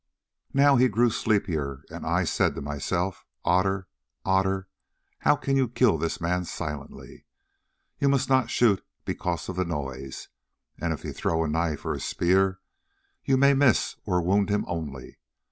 Now he grew sleepier, and I said to myself, 'Otter, Otter, how can you kill this man silently? You must not shoot, because of the noise; and if you throw a knife or a spear, you may miss, or wound him only.